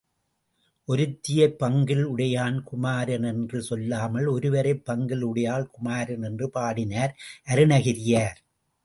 ஒருத்தியைப் பங்கில் உடையான் குமாரன் என்று சொல்லாமல் ஒருவரைப் பங்கில் உடையாள் குமாரன் என்று பாடினார் அருணகிரியார்.